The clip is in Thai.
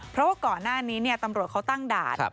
เพราะว่าก่อนหน้านี้ตำรวจเขาตั้งด่าน